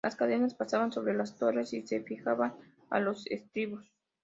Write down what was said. Las cadenas pasaban sobre las torres, y se fijaban a los estribos.